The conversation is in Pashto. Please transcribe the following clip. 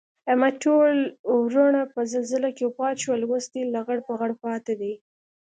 احمد ټول ورڼه په زلزله کې وفات شول. اوس دی لغړ پغړ پاتې دی